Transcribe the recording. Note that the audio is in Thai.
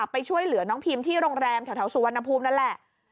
ไปช่วยเหลือน้องพิมที่โรงแรมแถวสุวรรณภูมินั่นแหละ